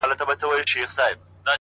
پرمختګ د ثابتو هڅو محصول دی